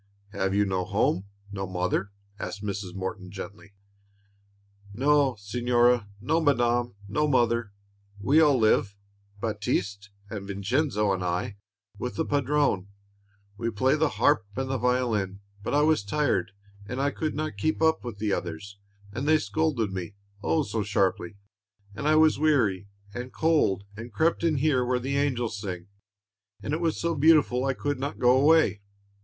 "Have you no home, no mother?" asked Mrs. Morton, gently. "No, signora, no, madame, no mother. We all live, Baptiste and Vincenzo and I, with the Padrone. We play the harp and the violin; but I was tired, and I could not keep with the others, and they scolded me, oh, so sharply! and I was weary and cold, and crept in here where the angels sing, and it was so beautiful I could not go away."